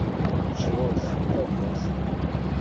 Kullec ɣur-s talast.